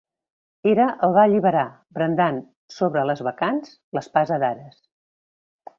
Hera el va alliberar brandant sobre les bacants l'espasa d'Ares.